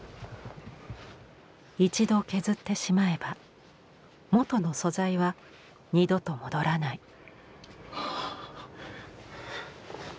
一度削ってしまえば元の素材は二度と戻らない。